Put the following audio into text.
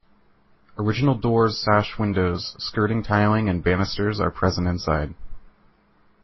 Original doors sash windows skirting tiling and banisters are present inside.